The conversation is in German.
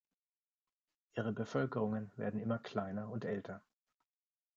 Ihre Bevölkerungen werden immer kleiner und älter.